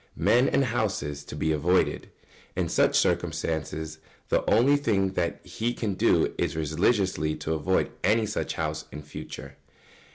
[Sidenote: Men and houses to be avoided.] In such circumstances the only thing he can do is religiously to avoid any such house in future.